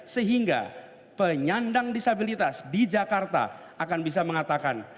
sehingga penyandang disabilitas di jakarta akan bisa mengatakan